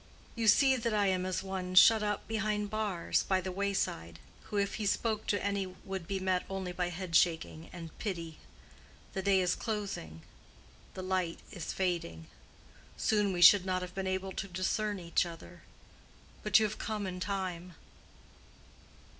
You see that I am as one shut up behind bars by the wayside, who if he spoke to any would be met only by head shaking and pity. The day is closing—the light is fading—soon we should not have been able to discern each other. But you have come in time."